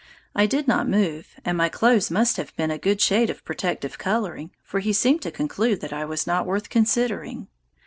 I did not move, and my clothes must have been a good shade of protective coloring, for he seemed to conclude that I was not worth considering.